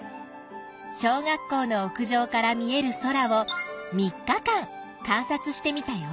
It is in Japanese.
小学校の屋上から見える空を３日間観察してみたよ。